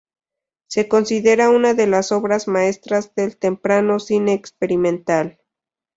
Se considera una de las obras maestras del temprano cine experimental.